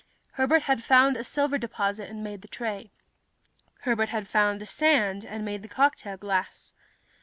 Herbert had found a silver deposit and made the tray. Herbert had found sand and made the cocktail glass.